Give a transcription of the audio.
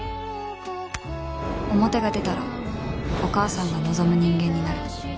表が出たらお母さんが望む人間になる